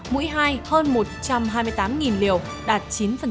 mũi hai hơn một trăm hai mươi tám liều đạt chín